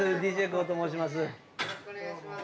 よろしくお願いします。